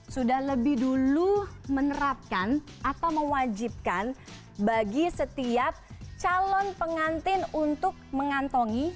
sudah lebih dulu menerapkan atau mewajibkan bagi setiap calon pengantin untuk mengantongi